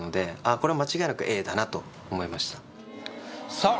これは間違いなくＡだなと思いましたさあ